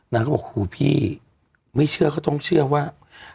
นางก็บอกคู่พี่ไม่เชื่อเขาต้องเชื่อว่า